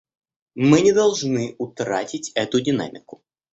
Мы не должны утратить эту динамику.